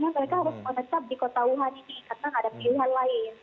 mereka harus menetap di kota wuhan ini karena gak ada pilihan lain